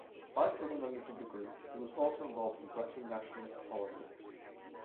Like other members of the group, he was also involved in Breton nationalist politics.